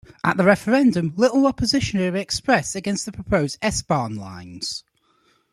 At the referendum, little opposition had been expressed against the proposed S-Bahn lines.